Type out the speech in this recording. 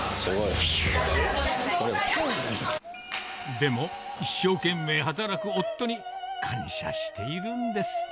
でも、一生懸命働く夫に、感謝しているんです。